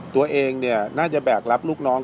ตัวเองน่าจะแบกรับลูกน้อง